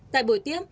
tại buổi tiếp